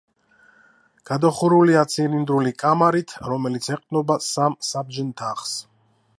გადახურულია ცილინდრული კამარით, რომელიც ეყრდნობა სამ საბჯენ თაღს.